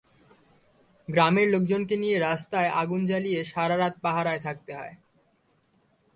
গ্রামের লোকজনকে নিয়ে রাস্তায় আগুন জ্বালিয়ে সারা রাত পাহারায় থাকতে হয়।